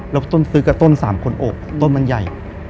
แล้วต้นซื้อกับต้น๓คนโอบต้นมันใหญ่